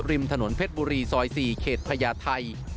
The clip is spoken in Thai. ริมถนนเพชรบุรีซอย๔เขตพญาไทย